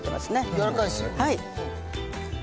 やわらかいです。